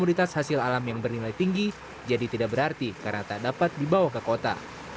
komoditas hasil alam yang bernilai tinggi jadi tidak berarti karena tak dapat dibawa ke kota